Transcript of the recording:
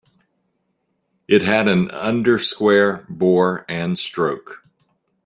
It had an undersquare bore and stroke.